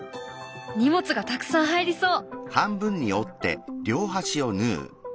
荷物がたくさん入りそう！